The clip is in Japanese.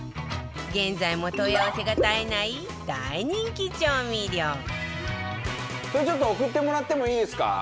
現在も問い合わせが絶えない大人気調味料それ、ちょっと送ってもらってもいいですか？